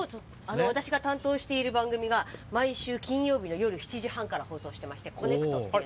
私の担当している番組が毎週金曜日の夜７時半から放送していまして「コネクト」という番組。